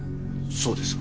そうですが。